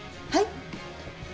はい？